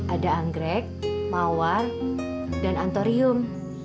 ada anggrek mawar dan antorium